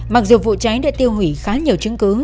mặc dù vụ cháy đã tiêu hủy khá nhiều chứng cứ